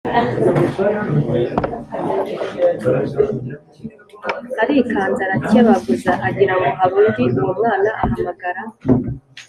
arikanze, arakebaguza agira ngo hari undi uwo mwana ahamagara.